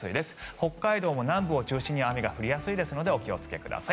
北海道も南部を中心に雨が降りやすいですのでお気をつけください。